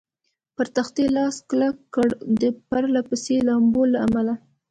پر تختې لاس کلک کړ، د پرله پسې لامبو له امله.